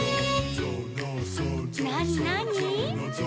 「なになに？」